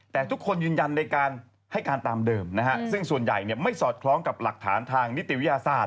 แต่ทุกคนยืนยันในการให้การตามเดิมนะฮะซึ่งส่วนใหญ่ไม่สอดคล้องกับหลักฐานทางนิติวิทยาศาสต